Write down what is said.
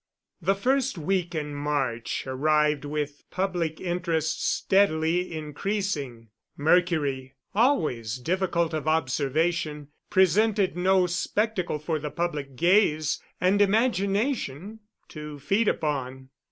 The first week in March arrived with public interest steadily increasing. Mercury, always difficult of observation, presented no spectacle for the public gaze and imagination to feed upon.